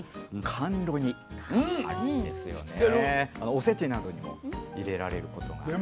おせちなどにも入れられることがある。